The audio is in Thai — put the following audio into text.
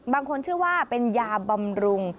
บางคนเชื่อว่าเป็นยาบำรุง